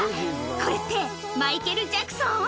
これってマイケル・ジャクソン？